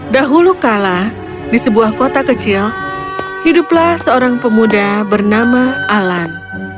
dahulu kala di sebuah kota kecil hiduplah seorang pemuda bernama alan